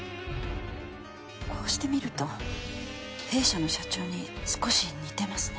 こうして見ると弊社の社長に少し似てますね。